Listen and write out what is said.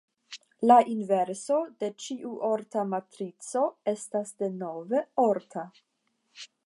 La inverso de ĉiu orta matrico estas denove orta.